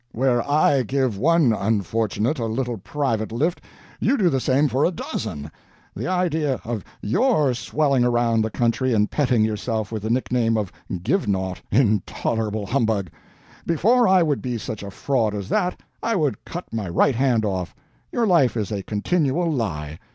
Where I give one unfortunate a little private lift, you do the same for a dozen. The idea of YOUR swelling around the country and petting yourself with the nickname of Givenaught intolerable humbug! Before I would be such a fraud as that, I would cut my right hand off. Your life is a continual lie.